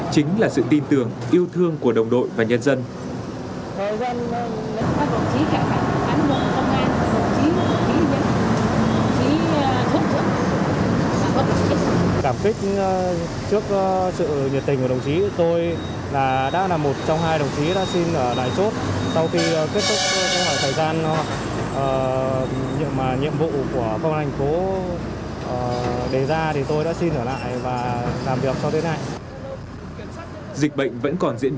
chính là sự tin tưởng yêu thương của đồng đội và nhân dân